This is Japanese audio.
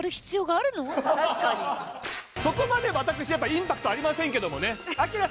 そこまで私インパクトありませんけどもね